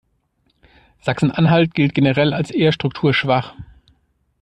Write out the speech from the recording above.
Sachsen-Anhalt gilt generell als eher strukturschwach.